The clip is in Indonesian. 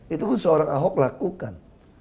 itu pun seorang ahok lakukan